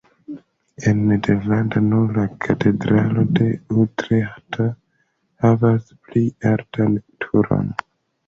En Nederland nur la katedralo de Utreĥto havas pli altan turon.